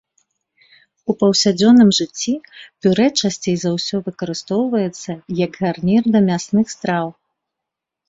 У паўсядзённым жыцці пюрэ часцей за ўсё выкарыстоўваецца як гарнір да мясных страў.